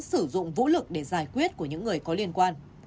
hãy đừng sử dụng vũ lực để giải quyết của những người có liên quan